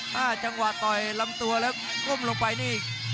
จังหวะต่อยลำตัวแล้วก้มลงไปนี่